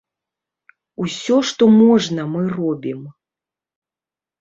Усё, што можна, мы робім.